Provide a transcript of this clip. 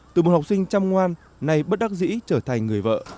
từ một học sinh chăm ngoan nay bất đắc dĩ trở thành người vợ